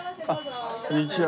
あっこんにちは。